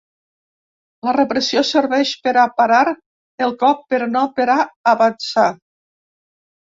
La repressió serveix per a parar el cop però no per a avançar.